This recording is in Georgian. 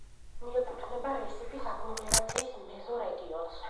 მიეკუთვნება რესიფის აგლომერაციის მეზორეგიონს.